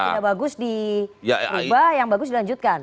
tidak bagus diubah yang bagus dilanjutkan